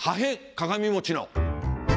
鏡餅の。